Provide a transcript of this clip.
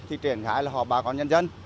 thì triển khai là họp bà con nhân dân